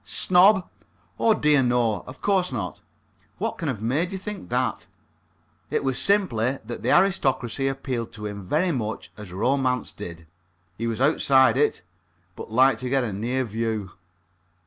Snob? Oh, dear, no! Of course not. What can have made you think that? It was simply that the aristocracy appealed to him very much as romance did he was outside it, but liked to get a near view.